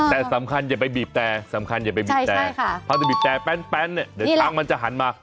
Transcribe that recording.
แต่สำคัญอย่าไปบีบแต่สำคัญอย่าไปบีบแต่พอจะบีบแต่แป้นเนี่ยเดี๋ยวช้างมันจะหันมา